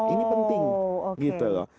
ini penting gitu loh